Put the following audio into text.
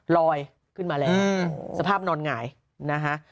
ลอยขึ้นมาแล้วสภาพนอนหงายนะฮะ